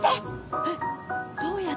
えっどうやって？